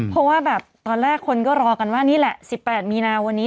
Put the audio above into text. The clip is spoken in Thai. เพราะว่าแบบตอนแรกคนก็รอกันว่านี่แหละ๑๘มีนาวันนี้